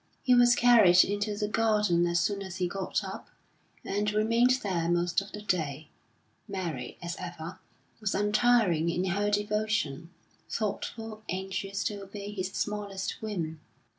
He was carried into the garden as soon as he got up, and remained there most of the day. Mary, as ever, was untiring in her devotion, thoughtful, anxious to obey his smallest whim....